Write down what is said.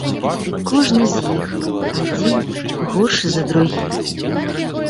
І кожны з іх адзін горшы за другі.